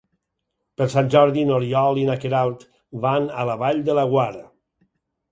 Per Sant Jordi n'Oriol i na Queralt van a la Vall de Laguar.